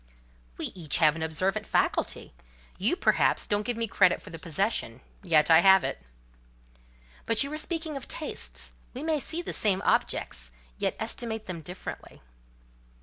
"We each have an observant faculty. You, perhaps, don't give me credit for the possession; yet I have it." "But you were speaking of tastes: we may see the same objects, yet estimate them differently?"